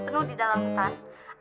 penuh di dalam betah